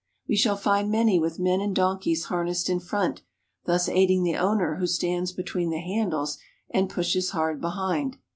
We shall find many with men and donkeys harnessed in front, thus aiding the owner who stands between the handles and pushes hard behind.